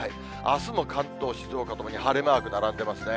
あすも関東、静岡ともに、晴れマーク並んでますね。